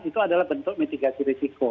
itu adalah bentuk mitigasi risiko